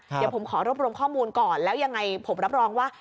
เดี๋ยวผมขอรวบรวมข้อมูลก่อนแล้วยังไงผมรับรองว่า